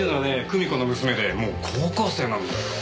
久美子の娘でもう高校生なんだよ。